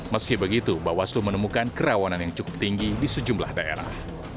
meski begitu bawaslu menemukan kerawanan yang cukup tinggi di sejumlah daerah